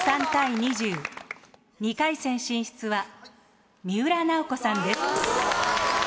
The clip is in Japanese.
２回戦進出は三浦奈保子さんです。